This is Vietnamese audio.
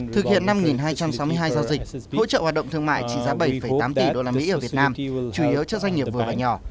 thực hiện năm hai trăm sáu mươi hai giao dịch hỗ trợ hoạt động thương mại trị giá bảy tám tỷ usd ở việt nam chủ yếu cho doanh nghiệp vừa và nhỏ